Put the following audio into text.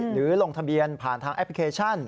ลงทะเบียนผ่านทางแอปพลิเคชัน